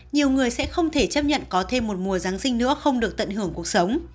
nhiều người sẽ không thể chấp nhận có thêm một mùa giáng sinh nữa không được tận hưởng cuộc sống